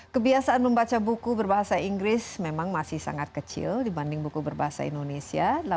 kebiasaan membaca buku berbahasa inggris memang masih sangat kecil dibanding buku berbahasa indonesia